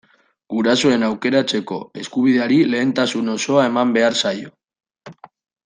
Gurasoen aukeratzeko eskubideari lehentasuna osoa eman behar zaio.